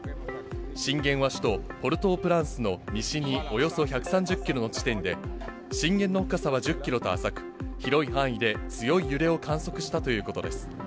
震源は首都ポルトープランスの西におよそ１３０キロの地点で、震源の深さは１０キロと浅く、広い範囲で強い揺れを観測したということです。